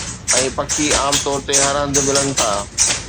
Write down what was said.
۽ پکي عام طور تي هر هنڌ ملن ٿا